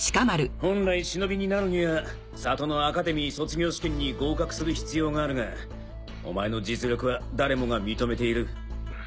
本来忍になるには里のアカデミー卒業試験に合格する必要があるがお前の実力は誰もが認めている。